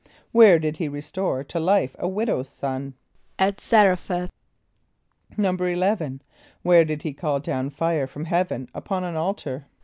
= Where did he restore to life a widow's son? =At Z[)a]r´e ph[)a]th.= =11.= Where did he call down fire from heaven upon an altar?